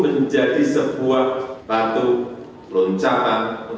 menjadi dari negara negara